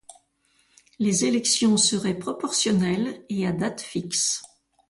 Les élections seraient proportionnelles et à date fixe.